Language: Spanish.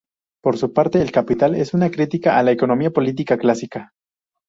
Por su parte "El Capital" es una crítica a la economía política clásica.